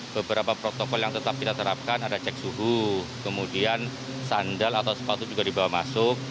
beberapa protokol yang tetap kita terapkan ada cek suhu kemudian sandal atau sepatu juga dibawa masuk